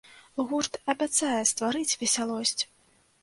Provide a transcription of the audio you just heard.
Гурт абяцае стварыць весялосць!